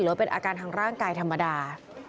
ว่าเป็นอาการทางร่างกายธรรมดา